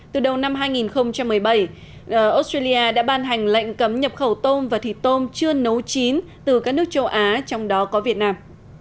từ đầu năm hai nghìn một mươi bảy australia đã ban hành lệnh cấm nhập khẩu tôm và thịt tôm chưa nấu chín từ các nước châu á trong đó có việt nam